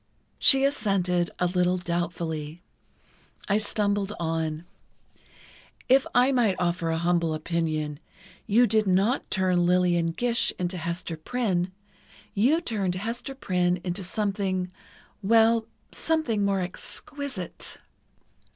She assented, a little doubtfully. I stumbled on: "If I might offer a humble opinion, you did not turn Lillian Gish into Hester Prynne; you turned Hester Prynne into something—well—something more exquisite."